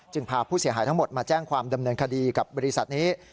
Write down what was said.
พาผู้เสียหายทั้งหมดมาแจ้งความดำเนินคดีกับบริษัทนี้